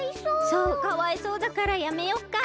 そうかわいそうだからやめよっか。